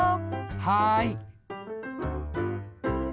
はい！